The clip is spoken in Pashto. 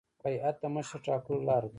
بیعت د مشر ټاکلو لار ده